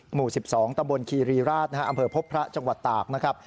หมู่๑๒ตะบนคีรีราชอำเภอพบพระจังหวัดตากนะครับ